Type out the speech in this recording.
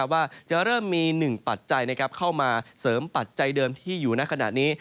ว่าจะเริ่มมี๑ปัจจัยเข้ามาเสริมปัจจัยเดิมที่อยู่ในขณะนี้